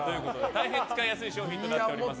大変、使いやすい商品となっております。